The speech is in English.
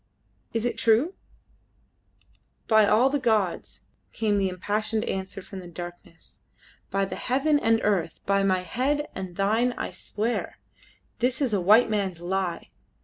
Is it true?" "By all the gods!" came the impassioned answer from the darkness "by heaven and earth, by my head and thine I swear: this is a white man's lie.